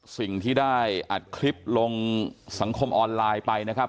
สิ่งที่ได้อัดคลิปลงสังคมออนไลน์ไปนะครับ